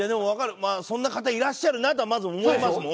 まあそんな方いらっしゃるなとはまず思いますもん。